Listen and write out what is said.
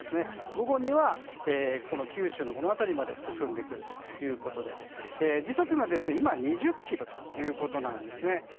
午後には九州のこの辺りまで進んでくるということで時速が今２０キロということなんですね。